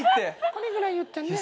これぐらい言ったね。